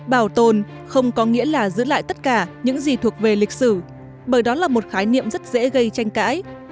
bảo tồn không có nghĩa là giữ lại tất cả những gì thuộc về lịch sử bởi đó là một khái niệm rất dễ gây tranh cãi